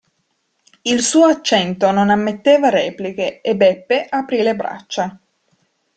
Il suo accento non ammetteva repliche, e Beppe aprì le braccia.